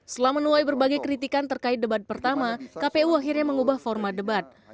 setelah menuai berbagai kritikan terkait debat pertama kpu akhirnya mengubah format debat